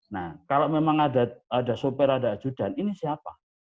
nah kalau memang ada sopir ada ajudan ini siapa